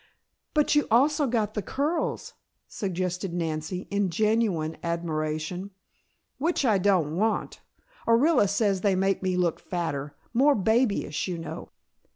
"But you also got the curls," suggested Nancy, in genuine admiration. "Which I don't want. Orilla says they make me look fatter, more babyish, you know."